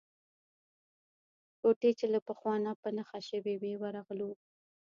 کوټې چې له پخوا نه په نښه شوې وې ورغلو.